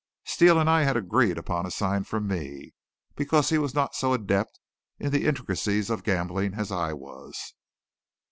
Steele and I had agreed upon a sign from me, because he was not so adept in the intricacies of gambling as I was.